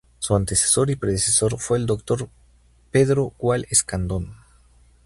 Su antecesor y predecesor fue el doctor Pedro Gual Escandón.